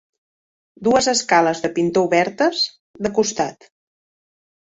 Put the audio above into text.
Dues escales de pintor obertes, de costat.